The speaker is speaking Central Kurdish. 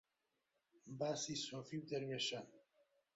باسی سۆفی و دەروێشان